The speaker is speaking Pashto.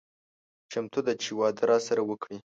چمتو ده چې واده راسره وکړي.